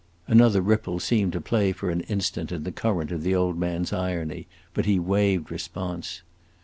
Another ripple seemed to play for an instant in the current of the old man's irony, but he waived response.